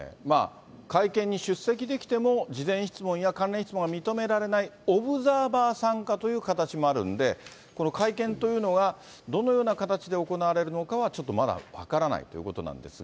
会見に出席できても、事前質問や関連質問が認められない、オブザーバー参加という形もあるんで、この会見というのが、どのような形で行われるのかは、ちょっとまだ分からないということなんですが。